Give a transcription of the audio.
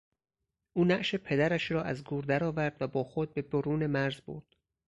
او نعش پدرش را از گور درآورد و با خود به برون مرز برد.